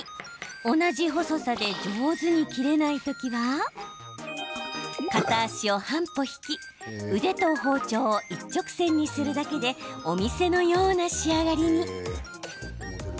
同じ細さで上手に切れない時は片足を半歩引き腕と包丁を一直線にするだけでお店のような仕上がりに。